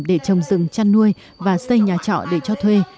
để trồng rừng chăn nuôi và xây nhà trọ để cho thuê